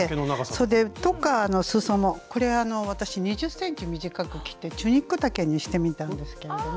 そでとかすそのこれは私２０ｃｍ短く切ってチュニック丈にしてみたんですけれども。